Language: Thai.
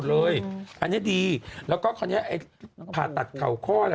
ลักษณะประตัดเข่าคล่อ